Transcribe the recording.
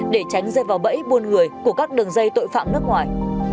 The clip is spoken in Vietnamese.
để tránh rơi vào bẫy buôn người của các đường dây tội phạm nước ngoài